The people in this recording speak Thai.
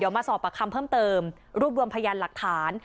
เดี๋ยวมาสอบกับคำเพิ่มเติมรูปรวมพยานหลักฐาน